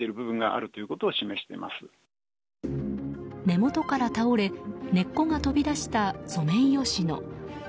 根元から倒れ根っこが飛び出したソメイヨシノ。